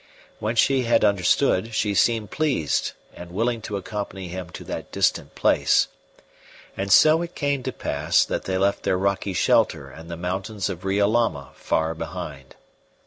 When she had understood, she seemed pleased and willing to accompany him to that distant place; and so it came to pass that they left their rocky shelter and the mountains of Riolama far behind.